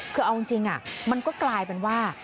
คือเอาจริงมันก็กลายเป็นว่า